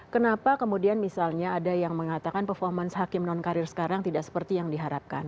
kenapa kemudian misalnya ada yang mengatakan performance hakim non karir sekarang tidak seperti yang diharapkan